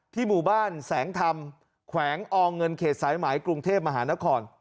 หมู่บ้านแสงธรรมแขวงอเงินเขตสายไหมกรุงเทพมหานคร